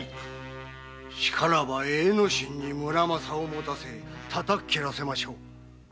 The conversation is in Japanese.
しからば栄之進に「村正」を持たせたたっ斬らせましょう。